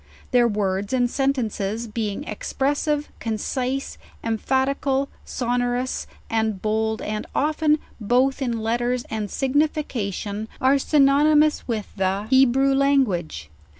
Their words and sentences being expressive, concise, em phatical. sonorous, and bold, and often, both in letters and signification, are synonymous with the Hebrew language.